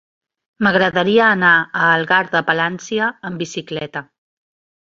M'agradaria anar a Algar de Palància amb bicicleta.